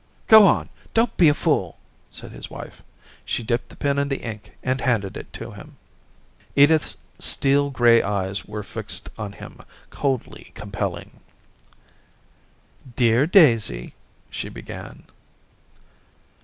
'Go on! don't be a fool!' said his wife. She dipped the pen in the ink and handed it to him. Edith's steel grey eyes were fixed on him, coldly compelling. * Dear Daisy,' she began.